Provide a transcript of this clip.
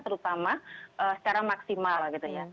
terutama secara maksimal gitu ya